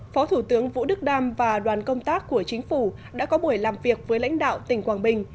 phó thủ tướng vũ đức đam và đoàn công tác của chính phủ đã có buổi làm việc với lãnh đạo tỉnh quảng bình